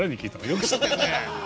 よく知ってるねえ。